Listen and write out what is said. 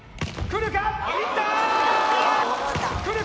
くるか？